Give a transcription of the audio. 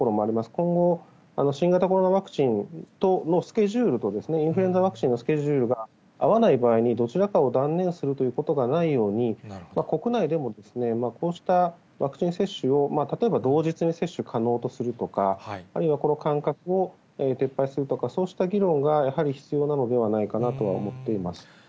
今後、新型コロナワクチンとのスケジュールと、インフルエンザワクチンのスケジュールが合わない場合に、どちらかを断念するということがないように、国内でもこうしたワクチン接種を、例えば同日に接種可能とするとか、あるいはこの間隔を撤廃するとか、そうした議論がやはり必要なのではないかなとは思っています。